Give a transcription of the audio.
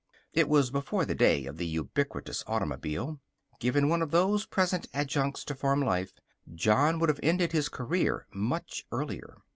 It was before the day of the ubiquitous automobile. Given one of those present adjuncts to farm life, John would have ended his career much earlier.